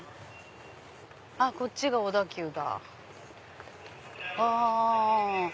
こっちが小田急だ。